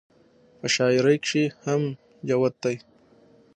پۀ شاعرۍ کښې هم جوت دے -